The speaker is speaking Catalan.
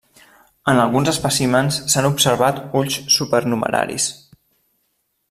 En alguns espècimens s'han observat ulls supernumeraris.